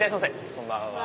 こんばんは。